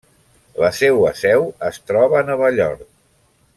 La seua seu es troba a Nova York.